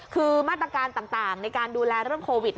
คือมาตรการต่างในการดูแลเรื่องโควิด